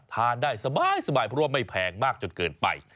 ทานได้สบายเพราะว่าไม่แพงมากจนเกินไป